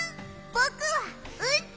ぼくはうんち！